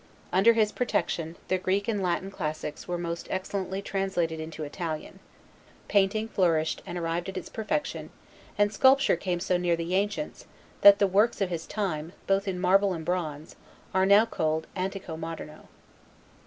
Under his protection, the Greek and Latin classics were most excellently translated into Italian; painting flourished and arrived at its perfection; and sculpture came so near the ancients, that the works of his time, both in marble and bronze, are now called Antico Moderno.